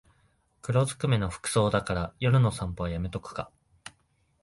黒ずくめの服装だから夜の散歩はやめとくか